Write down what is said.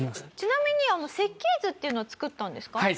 ちなみに設計図というのは作ったんですか？